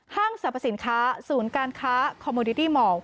สรรพสินค้าศูนย์การค้าคอมโมดิตี้หมอก